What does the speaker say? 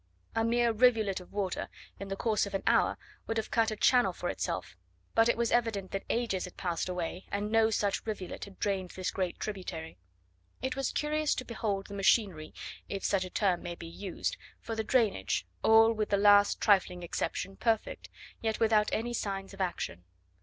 A mere rivulet of water, in the course of an hour, would have cut a channel for itself; but it was evident that ages had passed away, and no such rivulet had drained this great tributary. It was curious to behold the machinery, if such a term may be used, for the drainage, all, with the last trifling exception, perfect, yet without any signs of action.